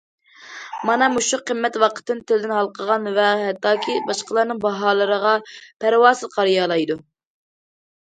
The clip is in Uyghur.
مانا مۇشۇ قىممەت ۋاقىتتىن، تىلدىن ھالقىغان ۋە ھەتتاكى باشقىلارنىڭ باھالىرىغا پەرۋاسىز قارىيالايدۇ.